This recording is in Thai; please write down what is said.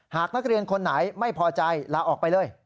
หากนักเรียนคนไหนไม่พอใจลาออกไปเลย